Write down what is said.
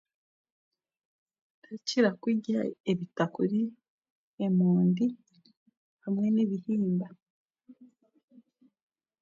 Turakira kurya ebitakuri, emondi hamwe n'ebihamba